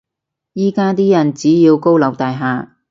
依家啲人只要高樓大廈